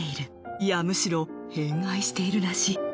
いやむしろ偏愛しているらしい。